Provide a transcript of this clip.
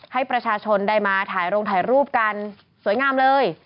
ให้ประชาชนได้มาถ่ายโรงถ่ายรูปกันสวยงามเลย